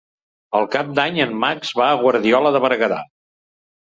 Per Cap d'Any en Max va a Guardiola de Berguedà.